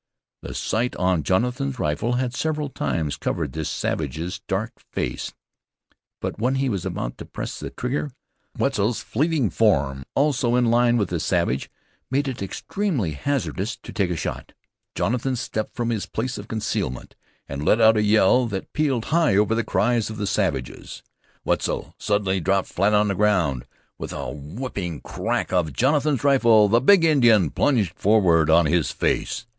The sight on Jonathan's rifle had several times covered this savage's dark face; but when he was about to press the trigger Wetzel's fleeting form, also in line with the savage, made it extremely hazardous to take a shot. Jonathan stepped from his place of concealment, and let out a yell that pealed high over the cries of the savages. Wetzel suddenly dropped flat on the ground. With a whipping crack of Jonathan's rifle, the big Indian plunged forward on his face.